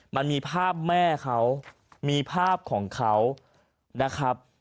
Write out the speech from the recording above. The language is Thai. มันมีภาพแม่เขามีภาพของเขา